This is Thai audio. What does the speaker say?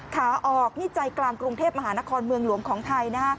ขาออกวิจัยกลางกรุงเทพมหานครเมืองหลวงของไทย